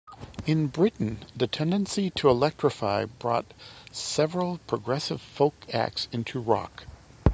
In Britain the tendency to electrify brought several progressive folk acts into rock.